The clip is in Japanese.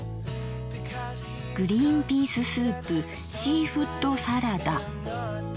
「グリンピーススープシーフッドサラダ」。